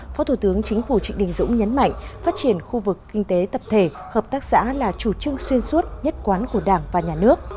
phó thủ tướng chính phủ trịnh đình dũng nhấn mạnh phát triển khu vực kinh tế tập thể hợp tác xã là chủ trương xuyên suốt nhất quán của đảng và nhà nước